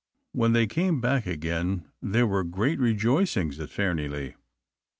When they came back again, there were great rejoicings at Fairnilee.